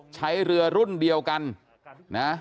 ใช้เรือรุ่นเดียวกันนะ